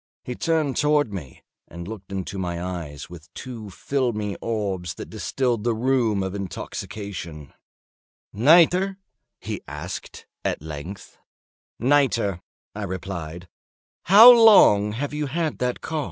He turned towards me, and looked into my eyes with two filmy orbs that distilled the rheum of intoxication. "Nitre?" he asked, at length. "Nitre," I replied. "How long have you had that cough?" "Ugh! ugh! ugh!—ugh! ugh! ugh!—ugh!